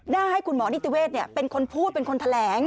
ให้คุณหมอนิติเวศเป็นคนพูดเป็นคนแถลง